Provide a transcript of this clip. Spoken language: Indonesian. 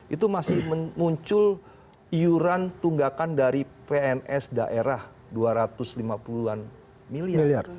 itu masih muncul iuran tunggakan dari pns daerah dua ratus lima puluh an miliar